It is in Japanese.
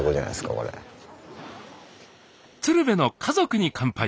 「鶴瓶の家族に乾杯」。